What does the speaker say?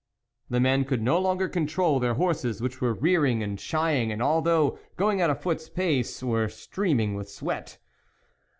The men could no longer control their horses, which were rearing and shying, and although going at a foot's pace, were streaming with sweat.